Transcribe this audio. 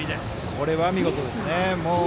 これは見事ですね。